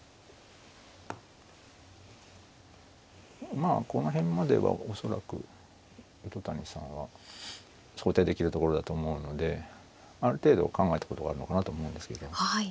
まあこの辺までは恐らく糸谷さんは想定できるところだと思うのである程度考えたことがあるのかなと思うんですけど。